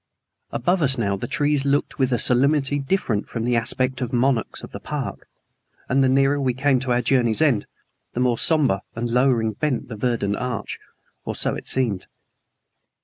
Above us now the trees looked down with a solemnity different from the aspect of the monarchs of the park, and the nearer we came to our journey's end the more somber and lowering bent the verdant arch or so it seemed.